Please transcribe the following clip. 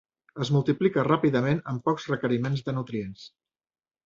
Es multiplica ràpidament amb pocs requeriments de nutrients.